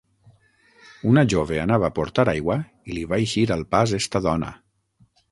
Una jove anava a portar aigua i li va eixir al pas esta dona.